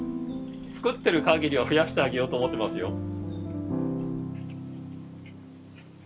作ってる限りは増やしてあげようと思ってますよ。